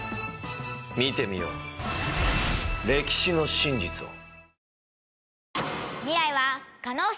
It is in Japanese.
見てみよう歴史の真実を。